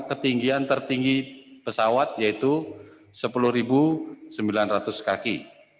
ketinggian tertinggi pesawat yaitu sepuluh sembilan ratus kaki